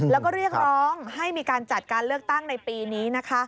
แล้วก็เรียกร้องให้มีการจัดการเลือกตั้งในปีนี้นะคะ